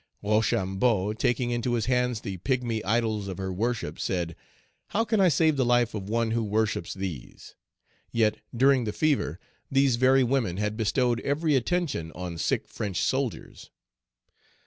Rochambeau, taking into his hands the pigmy idols of her worship, said, "How can I save the life of one who worships these?" Yet, during the fever, these very women had bestowed every attention on sick French soldiers.